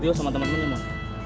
dio sama temen temennya mo